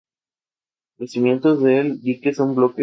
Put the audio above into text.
Los cimientos del dique son bloques de piedra hundidos.